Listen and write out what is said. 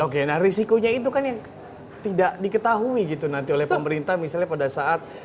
oke nah risikonya itu kan yang tidak diketahui gitu nanti oleh pemerintah misalnya pada saat